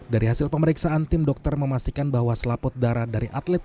dari hasil pemeriksaan tim dokter memastikan bahwa selaput darah dari atlet